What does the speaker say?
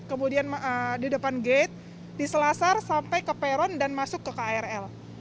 kemudian di depan gate di selasar sampai ke peron dan masuk ke krl